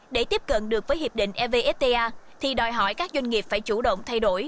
để tiếp cận được với hiệp định evfta thì đòi hỏi các doanh nghiệp phải chủ động thay đổi